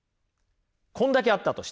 こんだけあったとしたら。